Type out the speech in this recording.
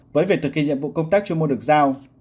với việc thực hiện nhiệm vụ công tác chưa mua được giao